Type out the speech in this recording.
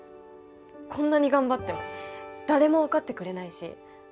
こんなに頑張っても誰も分かってくれないし。